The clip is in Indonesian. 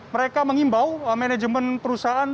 mereka mengimbau manajemen perusahaan